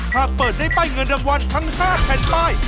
หากเปิดได้ป้ายเงินรางวัลทั้ง๕แผ่นป้าย